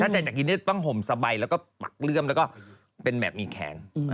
ถ้าใจจักรีนี้ต้องผมสบายลื้อมแล้วไปมีแขน